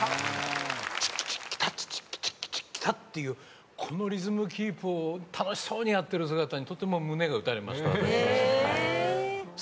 「チッキチキタッチキチチッキチキタッ」っていうこのリズムキープを楽しそうにやってる姿にとても胸が打たれましたすてきでした。